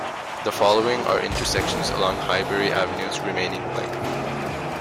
The following are intersections along Highbury Avenue's remaining length.